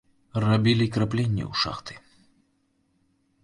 Рабілі крапленні ў шахты.